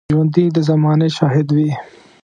ژوندي د زمانې شاهد وي